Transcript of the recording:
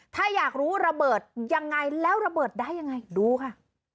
ถ้าอยากรู้ระเบิดยังไงแล้วระเบิดได้ยังไงดูค่ะ